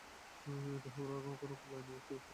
এটি হাওড়া-খড়গপুর লাইনের একটি ব্যস্ত রেলওয়ে স্টেশন।